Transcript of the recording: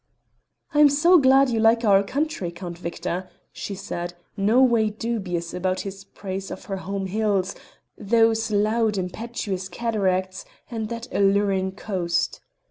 "I am so glad you like our country, Count Victor," she said, no way dubious about his praise of her home hills, those loud impetuous cataracts, and that alluring coast.